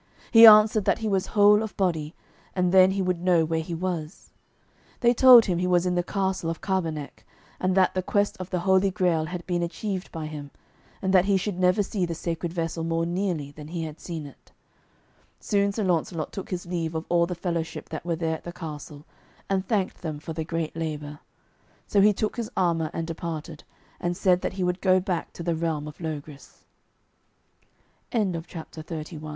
He answered that he was whole of body, and then he would know where he was. They told him he was in the castle of Carboneck, and that the quest of the Holy Grail had been achieved by him, and that he should never see the sacred vessel more nearly than he had seen it. Soon Sir Launcelot took his leave of all the fellowship that were there at the castle, and thanked them for the great labour. So he took his armour and departed, and said that he would go back to the realm of Logris. Made semblant: threatened.